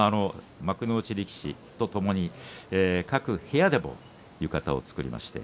幕内力士とともに各部屋でも浴衣を作りまして